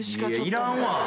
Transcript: いらんわ。